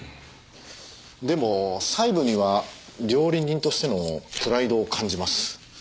でも細部には料理人としてのプライドを感じます。